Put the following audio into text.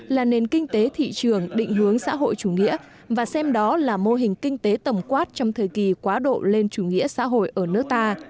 là nền kinh tế thị trường định hướng xã hội chủ nghĩa và xem đó là mô hình kinh tế tầm quát trong thời kỳ quá độ lên chủ nghĩa xã hội ở nước ta